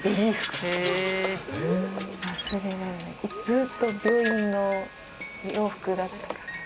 ずっと病院の洋服だったから。